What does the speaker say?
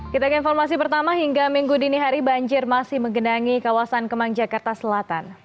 kita ke informasi pertama hingga minggu dini hari banjir masih menggenangi kawasan kemang jakarta selatan